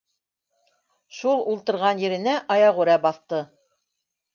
Шул ултырған еренә аяҡ үрә баҫты.